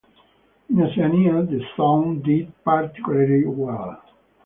In Oceania, the song did particularly well.